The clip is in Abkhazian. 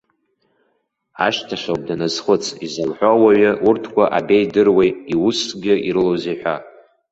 Ашьҭахьоуп даназхәыц, изалҳәо ауаҩы урҭқәа абеидыруеи, иуссгьы ирылоузеи ҳәа.